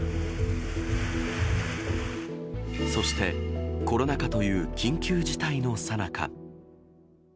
そしてコロナ禍という緊急事態のさなか。